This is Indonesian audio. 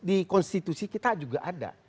dan di konstitusi kita juga ada